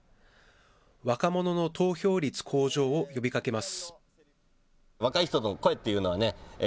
若者の投票率向上を呼びかけます。